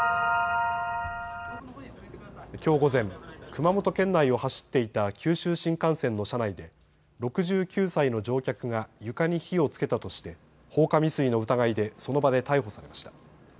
きょう午前、熊本県内を走っていた九州新幹線の車内で６９歳の乗客が床に火をつけたとして放火未遂の疑いでその場で逮捕されました。